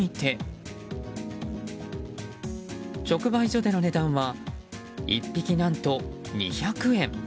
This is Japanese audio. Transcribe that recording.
直売所での値段は１匹、何と２００円！